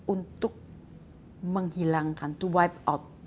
untuk menghilangkan to wipe out